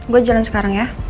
gue jalan sekarang ya